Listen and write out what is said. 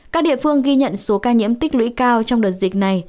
các địa phương ghi nhận số ca nhiễm tích lũy cao trong đợt dịch này